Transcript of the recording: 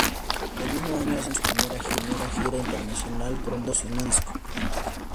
El mismo año hacen su primera gira internacional promocionando el disco.